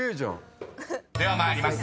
［では参ります。